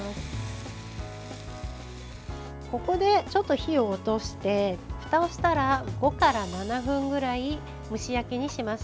ここでちょっと火を落としてふたをしたら５から７分ぐらい蒸し焼きにします。